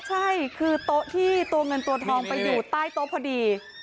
ใช่คือโต๊ะที่ตัวเงินตัวทองไปอยู่ใต้โต๊ะพอดี